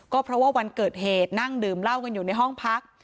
ก็เพราะว่าวันเกิดเหตุนั่งดื่มเหล้ากันอยู่ในห้องพัก